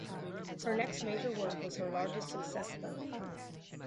Her next major work was her largest success though.